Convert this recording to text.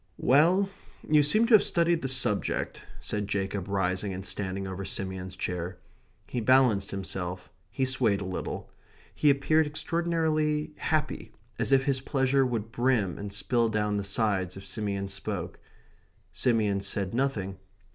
"Well, you seem to have studied the subject," said Jacob, rising and standing over Simeon's chair. He balanced himself; he swayed a little. He appeared extraordinarily happy, as if his pleasure would brim and spill down the sides if Simeon spoke. Simeon said nothing.